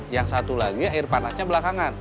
yang satu lagi air panasnya belakangan